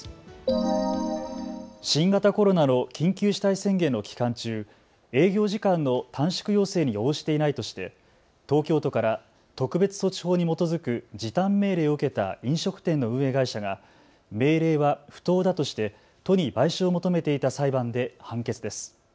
新型コロナの緊急事態宣言の期間中、営業時間の短縮要請に応じていないとして東京都から特別措置法に基づく時短命令を受けた飲食店の運営会社が命令は不当だとして都に賠償を求めていた裁判で判決です。